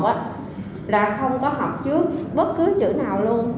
vô học thì không có học trước bất cứ chữ nào luôn